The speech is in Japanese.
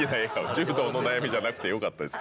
柔道の悩みじゃなくてよかったです。